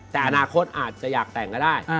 แต่อนาคตอาจจะอยากแต่งก็ได้